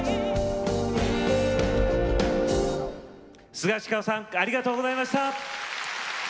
スガシカオさんありがとうございました！